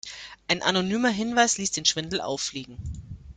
Ein anonymer Hinweis ließ den Schwindel auffliegen.